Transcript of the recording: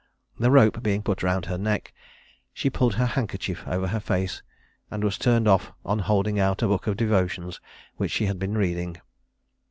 The rope being put round her neck, she pulled her handkerchief over her face, and was turned off on holding out a book of devotions, which she had been reading.